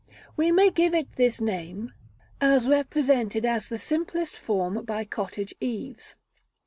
We may give it this name, as represented in the simplest form by cottage eaves.